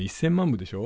部でしょ。